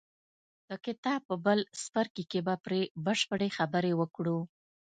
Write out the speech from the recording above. د کتاب په بل څپرکي کې به پرې بشپړې خبرې وکړو.